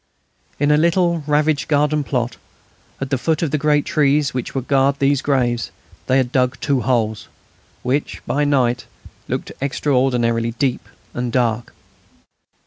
In a little ravaged garden plot, at the foot of great trees which would guard these graves, they had dug two holes, which, by night, looked extraordinarily deep and dark.